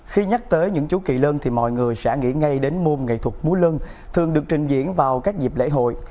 khi nhắc tới những chú kỳ lân thì mọi người sẽ nghĩ ngay đến môn nghệ thuật múa lân thường được trình diễn vào các dịp lễ hội